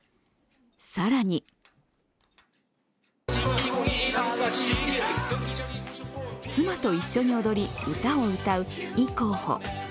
更に妻と一緒に踊り、歌を歌うイ候補